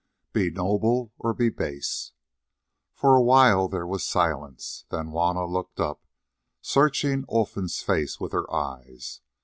BE NOBLE OR BE BASE For a while there was silence, then Juanna looked up, searching Olfan's face with her eyes.